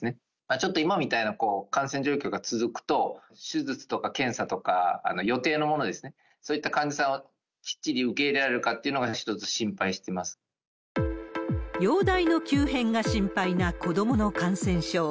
ちょっと今みたいな感染状況が続くと、手術とか検査とか、予定のものですね、そういった患者さんはきっちり受け入れられるかっていうのが一つ、容体の急変が心配な子どもの感染症。